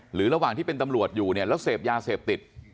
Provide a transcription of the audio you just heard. ระหว่างที่เป็นตำรวจอยู่เนี่ยแล้วเสพยาเสพติด